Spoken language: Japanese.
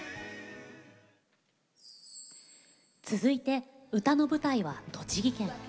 続いて歌の舞台は栃木県。